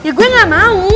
ya gue gak mau